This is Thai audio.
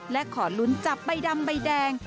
และขอลุ้นจับใบดำใบแดง